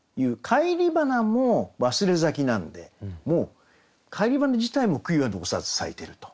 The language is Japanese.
返り花も忘れ咲きなんでもう返り花自体も悔いは残さず咲いていると。